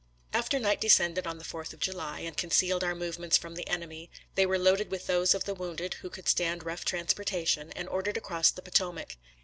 After night descended on the 4th day of July and concealed our movements from the enemy, they were loaded with those of the wounded who could stand rough transportation, and ordered across the Potomac.